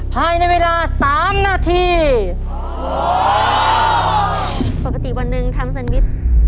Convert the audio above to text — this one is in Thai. ภายในเวลาสามนาทีปกติวันหนึ่งทำแซนวิช